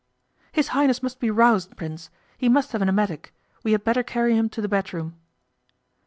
'His Highness must be roused, Prince. He must have an emetic. We had better carry him to the bedroom.